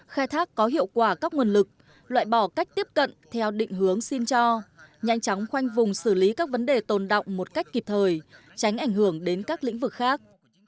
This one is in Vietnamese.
khai thác có hiệu quả các nguồn lực loại bỏ cách tiếp cận theo định hướng xin cho nhanh chóng khoanh vùng xử lý các vấn đề tồn động một cách kịp thời tránh ảnh hưởng đến các lĩnh vực khác